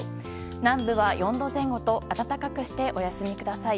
南部は４度前後と暖かくしてお休みください。